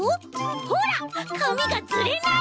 ほらかみがズレない！